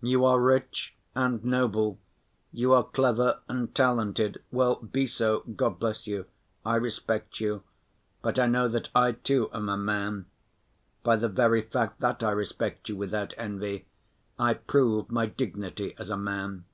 "You are rich and noble, you are clever and talented, well, be so, God bless you. I respect you, but I know that I too am a man. By the very fact that I respect you without envy I prove my dignity as a man."